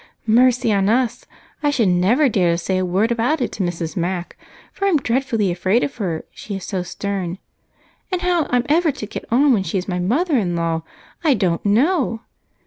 "Mercy on us! I should never dare to say a word about it to Mrs. Mac, for I'm dreadfully afraid of her, she is so stern, and how I'm ever to get on when she is my mother in law I don't know!"